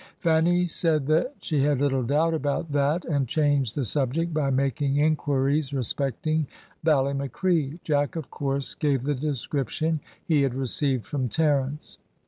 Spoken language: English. Fanny said that she had little doubt about that, and changed the subject by making inquiries respecting Ballymacree. Jack, of course, gave the description he had received from Terence.